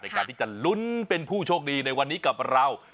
ในการที่จะลุ้นเป็นผู้โชคดีในวันนี้กับเรา